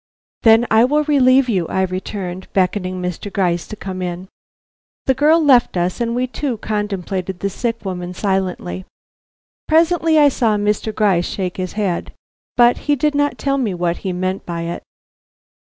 "Then I will relieve you," I returned, beckoning Mr. Gryce to come in. The girl left us and we two contemplated the sick woman silently. Presently I saw Mr. Gryce shake his head. But he did not tell me what he meant by it.